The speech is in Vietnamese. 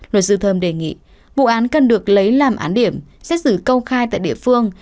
luật sư thơm đề nghị vụ án cần được lấy làm án điểm xét xử công khai tại địa phương